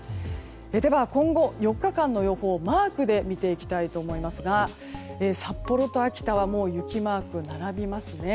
では今後４日間の予報をマークで見ていきますが札幌と秋田は雪マークが並びますね。